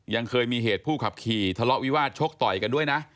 ยังเคยมีเหตุผู้ขับขี่ทะเลาะวิวาสชกต่อยกันด้วยนะ